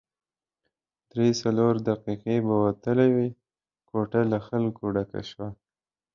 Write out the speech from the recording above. درې څلور دقیقې به وتلې وې، کوټه له خلکو ډکه شوه.